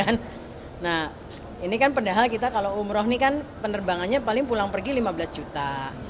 nah ini kan padahal kita kalau umroh ini kan penerbangannya paling pulang pergi lima belas juta